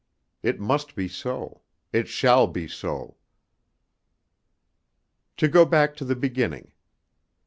It must be so it shall be so. To go back to the beginning.